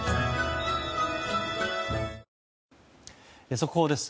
速報です。